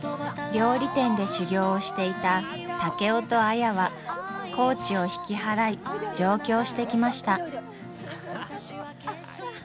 料理店で修業をしていた竹雄と綾は高知を引き払い上京してきました。